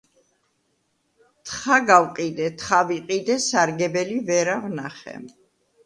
თხა გავყიდე, თხა ვიყიდე, სარგებელი ვერა ვნახე